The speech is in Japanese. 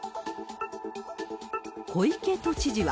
小池都知事は。